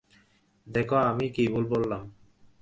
দেখ, আমি কী ভুল বললাম?